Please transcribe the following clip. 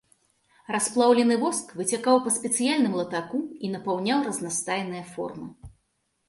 Расплаўлены воск выцякаў па спецыяльным латаку і напаўняў разнастайныя формы.